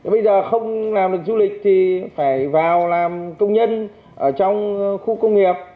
bây giờ không làm được du lịch thì phải vào làm công nhân ở trong khu công nghiệp